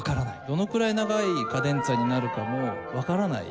どのくらい長いカデンツァになるかもわからない。